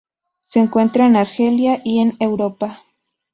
Se encuentra en Argelia y en Europa.